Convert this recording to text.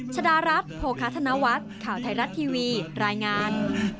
ชดารัฐโภคาธนวัฒน์ข่าวไทยรัฐทีวีรายงาน